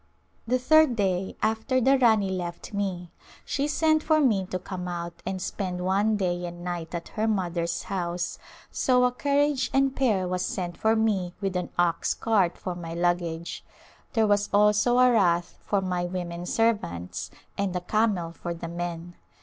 The third day after the Rani left me she sent for me to come out and spend one day and night at her mother's house, so a carriage and pair was sent for me with an ox cart for my luggage. There was also a Rath for my women servants and a camel for the men.